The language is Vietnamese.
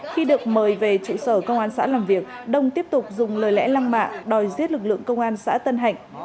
khi được mời về trụ sở công an xã làm việc đông tiếp tục dùng lời lẽ lăng mạ đòi giết lực lượng công an xã tân hạnh